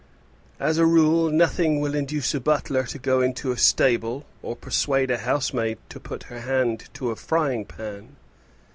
As a rule, nothing will induce a butler to go into a stable, or persuade a housemaid to put her hand to a frying pan.